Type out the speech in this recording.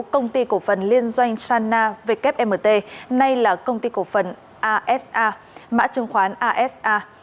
công ty cổ phần liên doanh sana wmt nay là công ty cổ phần asa mã chứng khoán asa